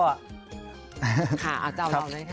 เอาเจ้าเราเลยค่ะ